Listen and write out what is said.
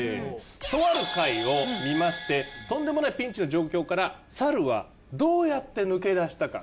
とある回を見ましてとんでもないピンチの状況から猿はどうやって抜け出したか？